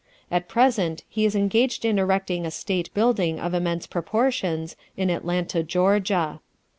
At present he is engaged in erecting a State building of immense proportions in Atlanta, Georgia.